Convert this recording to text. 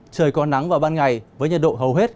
trời có nắng vào ban ngày với nhiệt độ hầu hết